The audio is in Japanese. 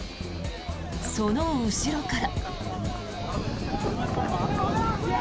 その後ろから。